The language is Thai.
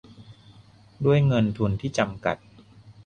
ด้วยเงินทุนที่จำกัด